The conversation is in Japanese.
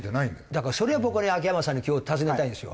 だからそれを僕はね秋山さんに今日尋ねたいんですよ。